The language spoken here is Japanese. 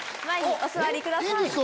前にお座りください。